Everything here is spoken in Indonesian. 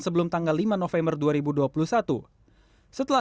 zhang kaiiperso premier dan timbu zandarab cereal